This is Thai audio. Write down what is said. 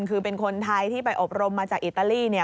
คือเป็นคนไทยที่ไปอบรมมาจากอิตาลีเนี่ย